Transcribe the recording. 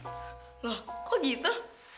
loh kok gitu